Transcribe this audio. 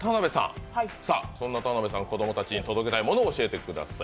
そんな田辺さん子ども達に届けたいものを教えてください。